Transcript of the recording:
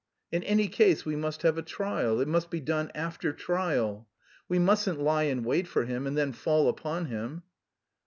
In any case we must have a trial; it must be done after trial. We mustn't lie in wait for him and then fall upon him."